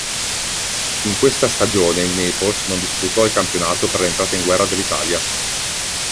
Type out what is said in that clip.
In questa stagione il Naples non disputò il campionato per l'entrata in guerra dell'Italia.